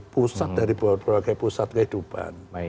pusat dari berbagai pusat kehidupan